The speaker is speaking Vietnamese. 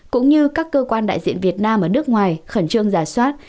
cũng như các cơ quan đại diện việt nam ở nước ngoài khẩn trương giả soát